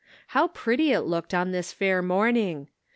How pretty it looked on this fair morning.